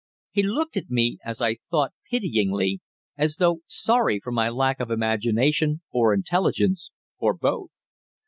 He looked at me, as I thought, pityingly, as though sorry for my lack of imagination, or intelligence, or both.